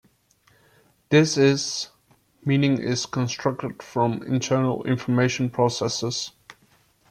That is, meaning is constructed from internal information processes.